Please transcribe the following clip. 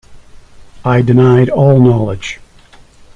I denied all knowledge.